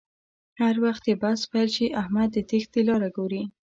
هر وخت چې بحث پیل شي احمد د تېښتې لاره گوري